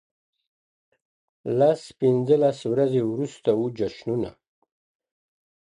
لس پنځلس ورځي وروسته وه جشنونه،